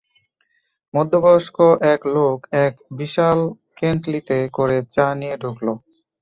মধ্যবয়স্ক এক লোক এক বিশাল কেন্টলিতে করে চা নিয়ে ঢুকল!